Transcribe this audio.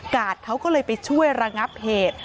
เขาก็เลยไปช่วยระงับเหตุ